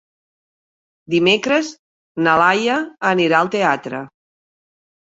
Dimecres na Laia anirà al teatre.